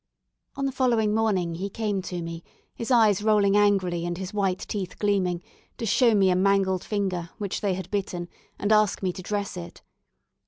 On the following morning he came to me, his eyes rolling angrily, and his white teeth gleaming, to show me a mangled finger, which they had bitten, and ask me to dress it.